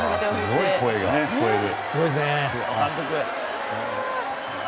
すごい声が聞こえる。